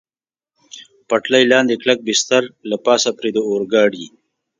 پټلۍ لاندې کلک بستر، له پاسه پرې د اورګاډي.